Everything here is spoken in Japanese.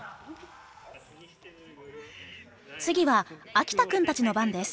次は秋田くんたちの番です。